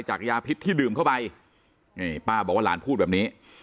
ยาพิษที่ดื่มเข้าไปนี่ป้าบอกว่าหลานพูดแบบนี้